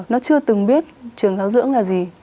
nó chưa từng biết trường giáo dưỡng là gì